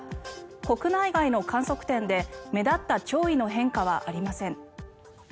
国内外の観測点で目立った潮位の変化はありません。